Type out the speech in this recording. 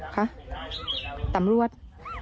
ค่ะตำรวจ